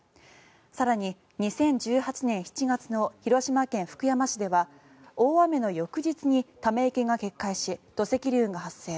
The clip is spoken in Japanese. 更に２０１８年７月の広島県福山市では大雨の翌日にため池が決壊し土石流が発生。